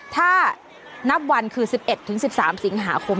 ถ้านับวันคือ๑๑๑๑๓สิงหาคม